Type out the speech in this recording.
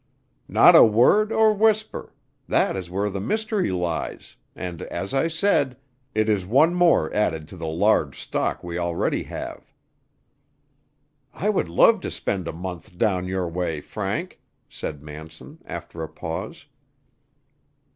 "Not a word or whisper; that is where the mystery lies, and, as I said, it is one more added to the large stock we already have." "I would love to spend a month down your way, Frank," said Manson, after a pause.